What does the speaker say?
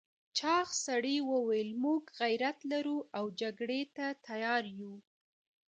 چاغ سړي وویل موږ غيرت لرو او جګړې ته تيار یو.